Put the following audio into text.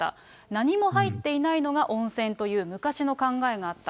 何も入っていないのが温泉という昔の考えがあった。